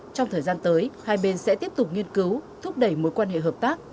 trong thời gian tới hai bên sẽ tiếp tục nghiên cứu thúc đẩy mối quan hệ hợp tác